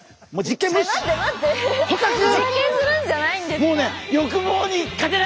実験するんじゃないんですか？